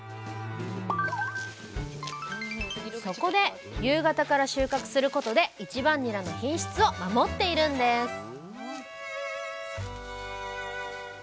そこで夕方から収穫することで１番ニラの品質を守っているんです